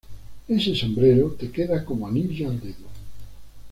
Ese sombrero te queda como anillo al dedo